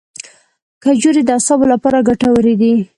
کجورې د اعصابو لپاره ګټورې دي.